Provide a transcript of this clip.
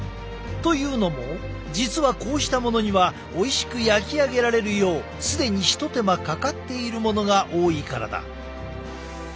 というのも実はこうしたものにはおいしく焼き上げられるよう既に一手間かかっているものが多いからだ。